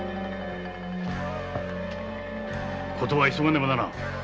事は急がねばならん。